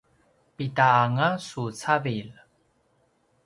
pida anga su cavilj?